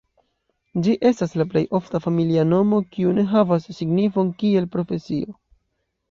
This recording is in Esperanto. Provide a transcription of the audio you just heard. Ĝi estas la plej ofta familia nomo kiu ne havas signifon kiel profesio.